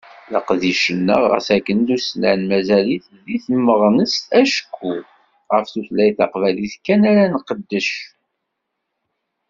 Leqdic-nneɣ ɣas akken d ussnan, mazal-it deg timmeɣnest acku ɣef tutlayt taqbaylit kan ara nqeddec.